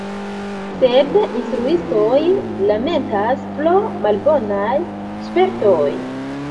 Sed instruistoj lamentas, pro malbonaj spertoj.